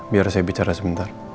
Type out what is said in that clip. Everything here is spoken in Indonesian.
biar saya bicara sebentar